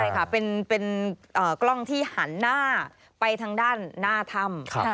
ใช่ค่ะเป็นกล้องที่หันหน้าไปทางด้านหน้าถ้ำ